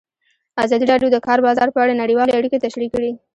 ازادي راډیو د د کار بازار په اړه نړیوالې اړیکې تشریح کړي.